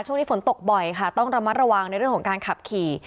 ช่วงนี้ฝนตกบ่อยค่ะต้องระมัดระวังในเรื่องของการขับขี่